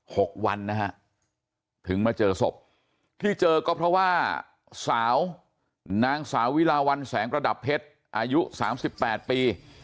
หกวันนะฮะถึงมาเจอศพที่เจอก็เพราะว่าสาวนางสาววิลาวันแสงประดับเพชรอายุสามสิบแปดปี